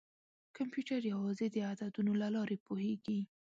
کمپیوټر یوازې د عددونو له لارې پوهېږي.